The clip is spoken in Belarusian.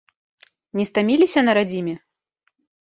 Не стаміліся на радзіме?